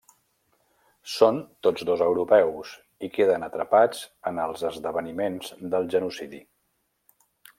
Són tots dos europeus, i queden atrapats en els esdeveniments del genocidi.